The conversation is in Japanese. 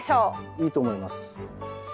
いいと思います。